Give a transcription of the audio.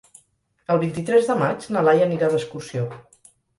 El vint-i-tres de maig na Laia anirà d'excursió.